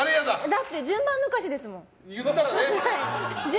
だって順番抜かしですもん。